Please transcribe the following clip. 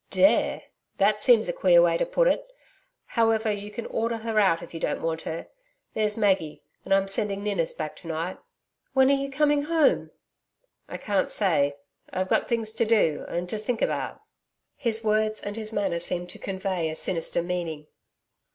'Dare! That seems a queer way to put it. However, you can order her out if you don't want her. There's Maggie and I'm sending Ninnis back to night.' 'When are you coming home?' 'I can't say. I've got things to do and to think about.' His words and his manner seemed to convey a sinister meaning.